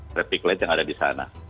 traffic light yang ada di sana